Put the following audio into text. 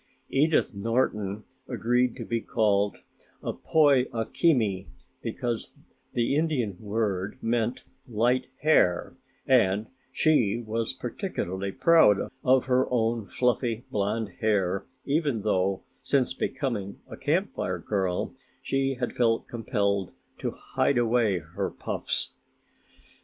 Edith Norton agreed to be called "Apoi a kimi," because the Indian word meant "light hair" and she was particularly proud of her own fluffy blonde hair even though since becoming a Camp Fire girl she had felt compelled to hide away her puffs.